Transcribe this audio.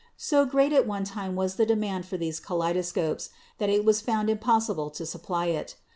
So great at one time was the demand for these kaleidoscopes that it» was found impossible to supply it.